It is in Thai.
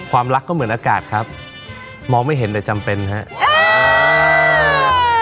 ความรักก็เหมือนอากาศครับมองไม่เห็นแต่จำเป็นครับ